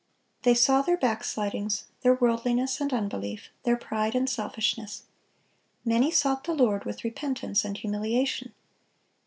They saw their backslidings, their worldliness and unbelief, their pride and selfishness. Many sought the Lord with repentance and humiliation.